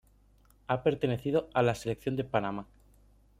Ha pertenecido a la selección de Panamá.